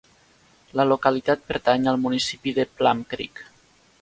La localitat pertany al municipi de Plum Creek.